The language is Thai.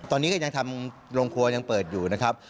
ตอนนี้ก็ยังทำโรงครัวยังเปิดอยู่นะครับ